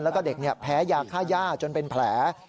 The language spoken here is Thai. แล้วก็เด็กแพ้ยาค่าย่าจนเป็นแผล